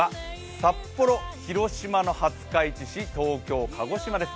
札幌、広島の廿日市市、鹿児島市です。